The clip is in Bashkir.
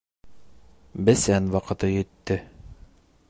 Бесән ваҡыты етте.